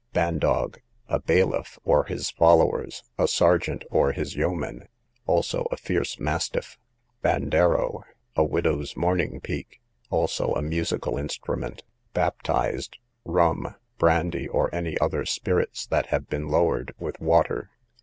Bandog, a bailiff, or his followers; a sergeant, or his yeomen; also a fierce mastiff. Bandero, a widow's mourning peak; also a musical instrument. Baptised, rum, brandy, or any other spirits that have been lowered with water.